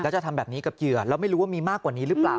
แล้วจะทำแบบนี้กับเหยื่อแล้วไม่รู้ว่ามีมากกว่านี้หรือเปล่า